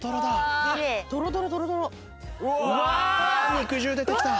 肉汁出てきた。